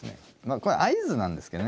これ合図なんですけどね。